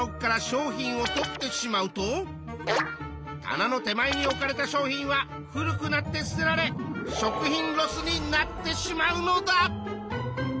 棚の手前に置かれた商品は古くなって捨てられ食品ロスになってしまうのだ！